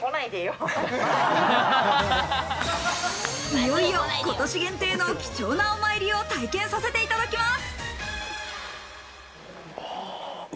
いよいよ今年限定の貴重なお参りを体験させていただきます。